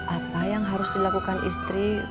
apa yang harus dilakukan istri